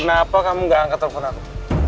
kenapa kamu gak angka telepon aku